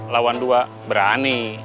tiga lawan dua berani